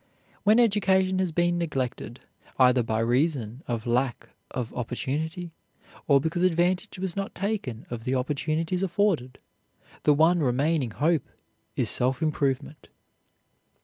When education has been neglected, either by reason of lack of opportunity, or because advantage was not taken of the opportunities afforded, the one remaining hope is self improvement.